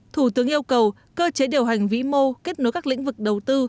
thủ tướng yêu cầu cơ chế điều hành vĩ mô kết nối các lĩnh vực đầu tư